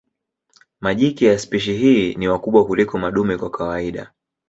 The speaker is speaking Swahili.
Majike ya spishi ni wakubwa kuliko madume kwa kawaida.